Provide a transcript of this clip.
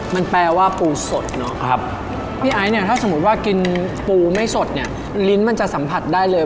มันแปลว่าปูสดเนาะพี่ไอซ์เนี่ยถ้าสมมุติว่ากินปูไม่สดเนี่ยลิ้นมันจะสัมผัสได้เลย